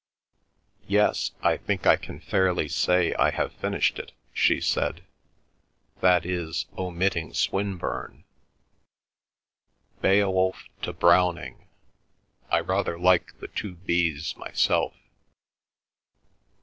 "Yes, I think I can fairly say I have finished it," she said. "That is, omitting Swinburne—Beowulf to Browning—I rather like the two B's myself.